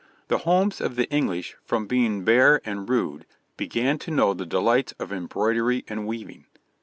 The homes of the English from being bare and rude began to know the delights of embroidery and weaving.